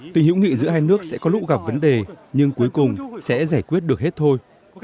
tình hữu nghị giữa hai nước sẽ có lúc gặp vấn đề nhưng cuối cùng sẽ giải quyết được hết thôi